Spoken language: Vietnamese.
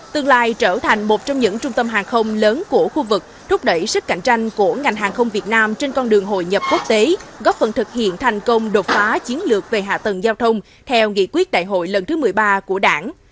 tương lai trở thành một trong những trung tâm hàng không lớn của khu vực thúc đẩy sức cạnh tranh của ngành hàng không việt nam trên con đường hội nhập quốc tế góp phần thực hiện thành công đột phá chiến lược về hạ tầng giao thông theo nghị quyết đại hội lần thứ một mươi ba của đảng